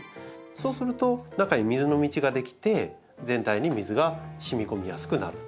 そうすると中に水の道が出来て全体に水がしみ込みやすくなると。